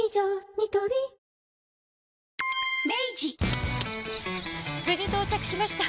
ニトリ無事到着しました！